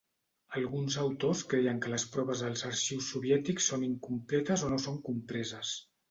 Alguns autors creien que les proves als arxius soviètics són incompletes o no són compreses.